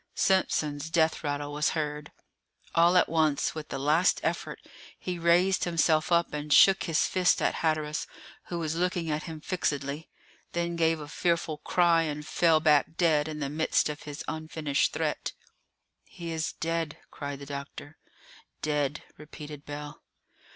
Simpson's death rattle was heard. All at once, with a last effort, he raised himself up and shook his fist at Hatteras, who was looking at him fixedly, then gave a fearful cry, and fell back dead in the midst of his unfinished threat. "He is dead!" cried the doctor. "Dead!" repeated Bell.